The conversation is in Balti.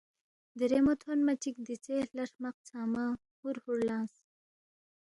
دیرے مو تھونما چِک دیژے ہلا ہرمق ژھنگمہ ہُربُر لنگس